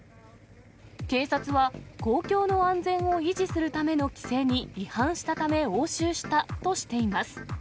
警察は、公共の安全を維持するための規制に違反したため押収したとしています。